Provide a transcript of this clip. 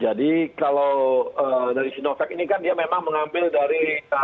jadi kalau dari sinovac ini kan dia memang mengambil dari